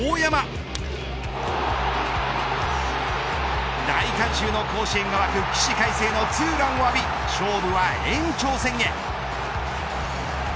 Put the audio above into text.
大観衆の甲子園が沸く起死回生のツーランを浴び勝負は延長戦へ。